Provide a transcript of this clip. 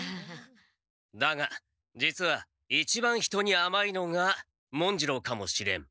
だが実は一番人にあまいのが文次郎かもしれん。